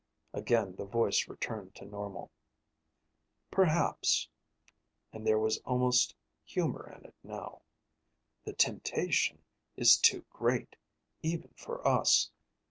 Again the voice returned to normal. "Perhaps," and there was almost humor in it now, "the temptation is too great, even for us.